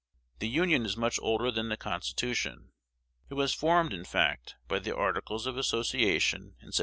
The Union is much older than the Constitution. It was formed, in fact, by the Articles of Association in 1774.